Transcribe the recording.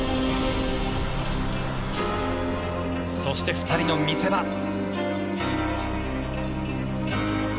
そして２人の見せ場。